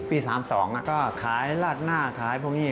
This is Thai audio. พี่สามสองก็ขายราดหน้าขายพวกนี้